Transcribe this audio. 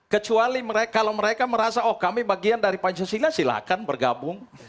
kecuali kalau mereka merasa oh kami bagian dari pancasila silahkan bergabung